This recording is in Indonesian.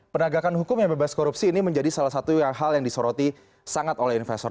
penegakan hukum yang bebas korupsi ini menjadi salah satu hal yang disoroti sangat oleh investor